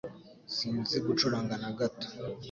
Sinzi gucuranga na gato